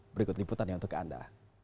berikut liputannya untuk anda